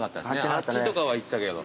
あっちとかは行ってたけど。